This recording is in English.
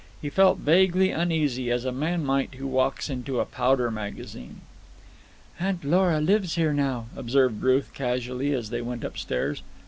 He felt vaguely uneasy, as a man might who walks in a powder magazine. "Aunt Lora lives here now," observed Ruth casually, as they went upstairs.